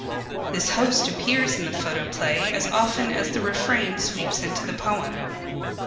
This host appears in the photoplay as often as the refrain sweeps into the poem.